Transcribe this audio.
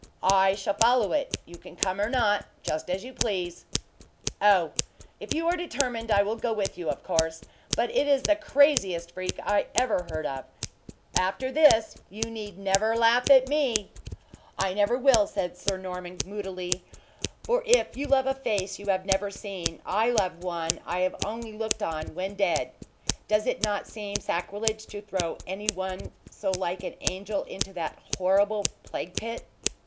"I shall follow it! You can come or not, just as you please." "Oh! if you are determined, I will go with you, of course; but it is the craziest freak I ever heard of. After this, you need never laugh at me." "I never will," said Sir Norman, moodily; "for if you love a face you have never seen, I love one I have only looked on when dead. Does it not seem sacrilege to throw any one so like an angel into that horrible plague pit?"